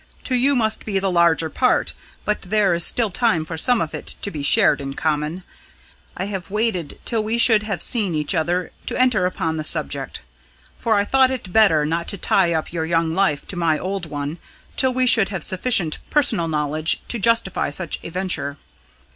To you must be the larger part but there is still time for some of it to be shared in common. I have waited till we should have seen each other to enter upon the subject; for I thought it better not to tie up your young life to my old one till we should have sufficient personal knowledge to justify such a venture.